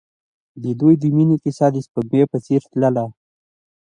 د دوی د مینې کیسه د سپوږمۍ په څېر تلله.